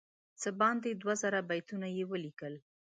څه باندې دوه زره بیتونه یې ولیکل.